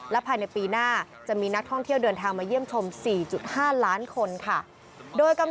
ภายในปีหน้าจะมีนักท่องเที่ยวเดินทางมาเยี่ยมชม๔๕ล้านคนค่ะ